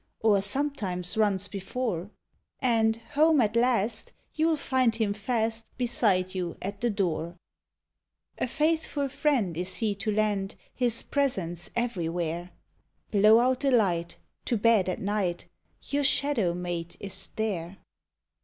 Or sometimes runs before. And, home at last, you '11 tind him fast Beside you at the door. A faithful friend is he to lend His presence everywhere; Digitized by Google FOR CHILDREN. Y.Y.\ Blow out the light— to bed at night — Your shadow mate is there!